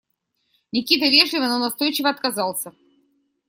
Никита вежливо, но настойчиво отказался.